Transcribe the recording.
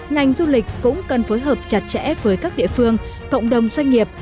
ngành du lịch cũng cần phối hợp chặt chẽ với các địa phương cộng đồng doanh nghiệp